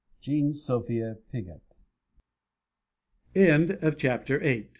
Jean Sophia Pigott. Chapter X.